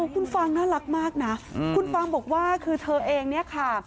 คุณฟังน่ารักมากนะคุณฟางบอกว่าคือเธอเองเนี่ยค่ะ